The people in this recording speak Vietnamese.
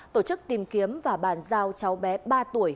tổ chức tìm kiếm và bàn giao cháu bé ba tuổi